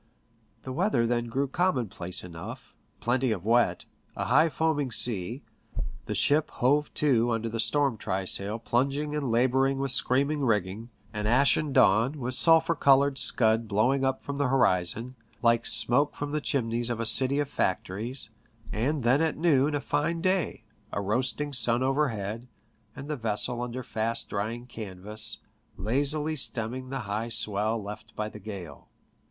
The weather then grew commonplace enough, plenty of wet, a high foaming sea, the ship hove to under storm trysail plunging and labouring with screaming rigging, an ashen dawn, with sulphur coloured scud blowing up from the horizon, like smoke from the chimneys of a city of factories ; and then at noon a fine day, a roasting sun overhead, and the vessel under fast drying canvas, lazily stemming the high swell left by the gale.